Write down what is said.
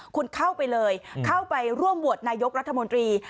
คุณเข้าไปเลยเข้าไปร่วมโหวตนายกรัฐมนตรี